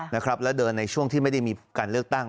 แล้วเดินในช่วงที่ไม่ได้มีการเลือกตั้ง